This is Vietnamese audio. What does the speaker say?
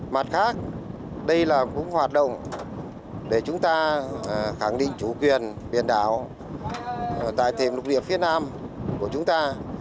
mặt khác đây là cũng hoạt động để chúng ta khẳng định chủ quyền biển đảo tại thềm lục địa phía nam của chúng ta